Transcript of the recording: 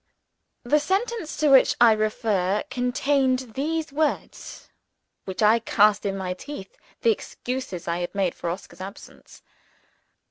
The sentence to which I refer, contained the words which cast in my teeth the excuses that I had made for Oscar's absence.